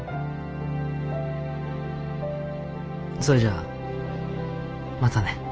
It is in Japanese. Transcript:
それじゃあまたね。